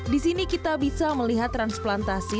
di sini kita bisa melihat transplantasi